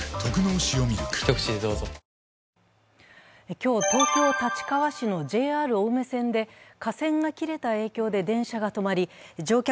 今日、東京・立川市のＪＲ青梅線で架線が切れた影響で電車が止まり、乗客